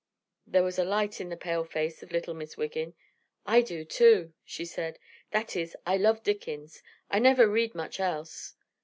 There was a light in the pale face of little Miss Wiggin. "I do, too," she said. "That is, I love Dickens; I never read much else."